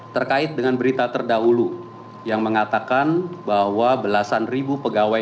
terkait dengan berita terdahulu yang mengatakan bahwa belasan ribu pegawai